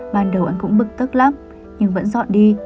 ban đầu anh cũng bực tức lắm nhưng vẫn dọn đi